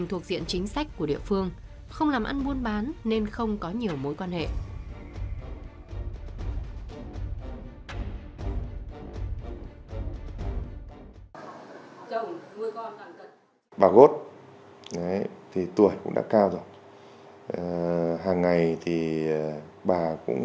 ghiền mì gõ để không bỏ lỡ những video hấp dẫn